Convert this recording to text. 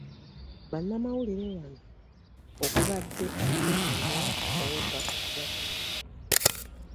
Bannamawulire bano okubadde Abubaker Lubowa ow'olupapula lwa Daily Monitor